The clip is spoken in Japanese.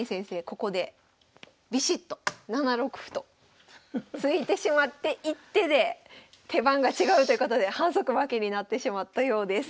ここでビシッと７六歩と突いてしまって１手で手番が違うということで反則負けになってしまったようです。